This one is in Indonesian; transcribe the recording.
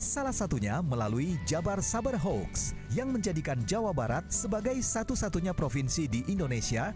salah satunya melalui jabar saber hoax yang menjadikan jawa barat sebagai satu satunya provinsi di indonesia